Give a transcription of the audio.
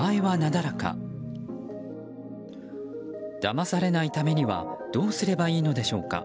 だまされないためにはどうすればいいのでしょうか。